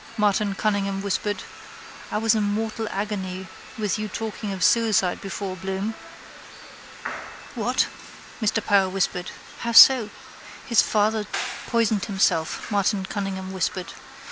Martin Cunningham whispered: —I was in mortal agony with you talking of suicide before Bloom. —What? Mr Power whispered. How so? —His father poisoned himself, Martin Cunningham whispered.